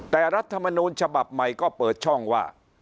แต่รัฐมนูลฉบับใหม่ก็เปิดช่องว่า